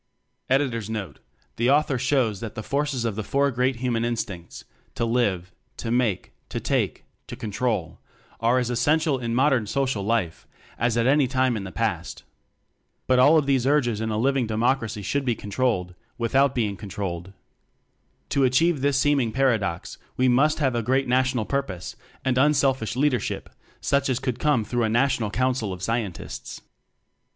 By William Henry Smyth Note The author shows that the forces of the four great human instincts to live, to make, to take, to control are as essential in mod ern social life as at any time in the past. But all of these urges in a living democracy should be controlled without being controlled. To achieve this seeming paradox we must have a great national purpose, and unselfish leadership such as could come through a National Council of Scientists.